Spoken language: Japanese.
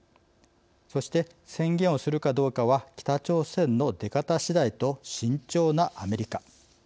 そして、宣言をするかどうかは北朝鮮の出方しだいと慎重なアメリカ。